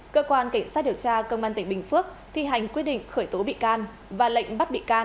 cơ quan cảnh sát điều tra công an tỉnh bình phước thi hành quyết định khởi tố bị can và lệnh bắt bị can